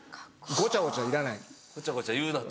ごちゃごちゃ言うなと。